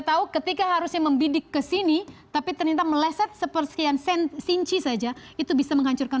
tahu ketika harusnya membidik ke sini tapi ternyata meleset sepersekian sinci saja itu bisa menghancurkan